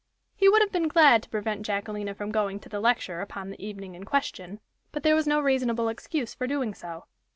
He would have been glad to prevent Jacquelina from going to the lecture upon the evening in question; but there was no reasonable excuse for doing so.